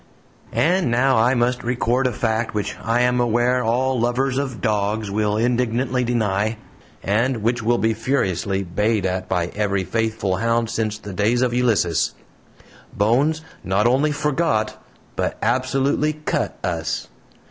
And now I must record a fact which I am aware all lovers of dogs will indignantly deny, and which will be furiously bayed at by every faithful hound since the days of Ulysses. Bones not only FORGOT, but absolutely CUT US!